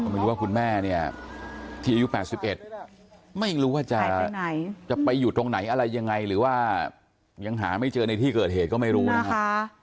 ไม่รู้ว่าคุณแม่เนี่ยที่อายุ๘๑ไม่รู้ว่าจะไปอยู่ตรงไหนอะไรยังไงหรือว่ายังหาไม่เจอในที่เกิดเหตุก็ไม่รู้นะครับ